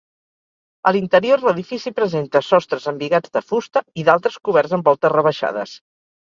A l'interior, l'edifici presenta sostres embigats de fusta i d'altres coberts amb voltes rebaixades.